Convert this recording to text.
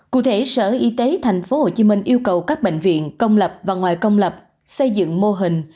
cụ thể sở y tế thành phố hồ chí minh yêu cầu các bệnh viện công lập và ngoài công lập xây dựng mô hình